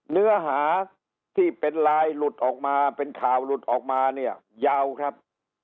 เนื้อหาที่เป็นไลน์หลุดออกมาเป็นข่าวหลุดออกมาเนี่ยยาวครับ